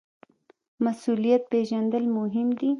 مسوولیت پیژندل مهم دي